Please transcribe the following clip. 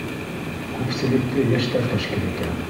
Күпселекте йәштәр тәшкил итә.